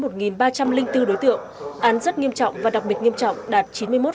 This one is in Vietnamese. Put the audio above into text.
đối tượng án rất nghiêm trọng và đặc biệt nghiêm trọng đạt chín mươi một ba